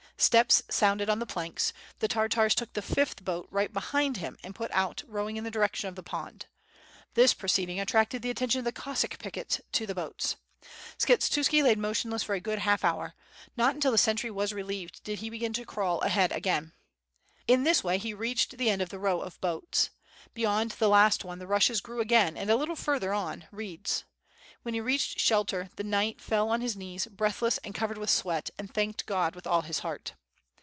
Steps sounded on the planks — ^the Tartars took the fifth boat right behind him and put out, rowing in the direction of the pond. This proceeding attracted the attention of the Cossack picket to the boats. Sks^hetuski lay motionless for a good half hour. Not until the sentry was relieved did he begin to crawl ahead again. In this way he reached the end of the row of boats. Be yond the last one the rushes grew again and a little further on reeds. When he reached shelter the knight fell on his knees, breathless and covered with sweat, and thanked God with all his heart.